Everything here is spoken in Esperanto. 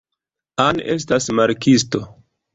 Anne estas marksisto.